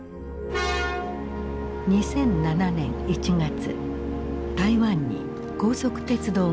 ２００７年１月台湾に高速鉄道が開業した。